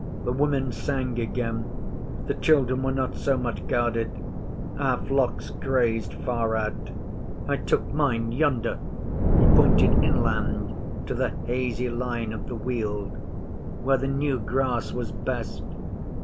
The women sang again; the children were not so much guarded; our flocks grazed far out. I took mine yonder' he pointed inland to the hazy line of the Weald 'where the new grass was best.